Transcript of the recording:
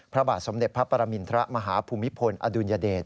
พระบาทสมเด็จพระปรมินทรมาฮภูมิพลอดุลยเดช